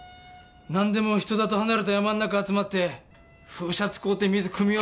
なんでも人里離れた山ん中集まって風車使うて水くみよる。